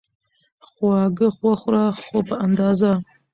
خواږه وخوره، خو په اندازه